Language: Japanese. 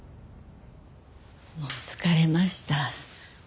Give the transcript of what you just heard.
もう疲れました。